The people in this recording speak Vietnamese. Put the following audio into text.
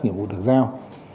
nhiệm vụ được giao